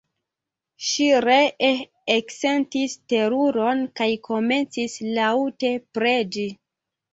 Ŝi ree eksentis teruron kaj komencis laŭte preĝi.